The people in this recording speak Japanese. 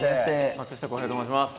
松下洸平と申します。